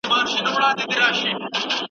څه ضرورت؟